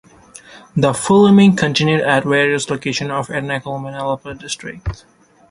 The filming continued at various locations of Ernakulam and Alappuzha districts.